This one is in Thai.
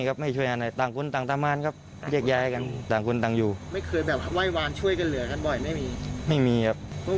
แล้วเห็นแล้วเราสงสารนะเลย